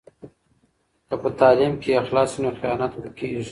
که په تعلیم کې اخلاص وي نو خیانت ورکېږي.